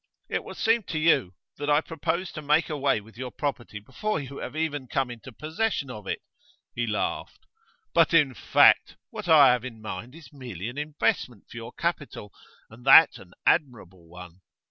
It will seem to you that I propose to make away with your property before you have even come into possession of it.' He laughed. 'But, in fact, what I have in mind is merely an investment for your capital, and that an admirable one.